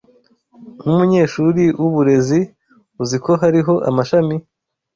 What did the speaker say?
Nkumunyeshuri wuburezi uzi ko hariho amashami